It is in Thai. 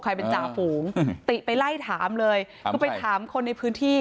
เป็นจ่าฝูงติไปไล่ถามเลยคือไปถามคนในพื้นที่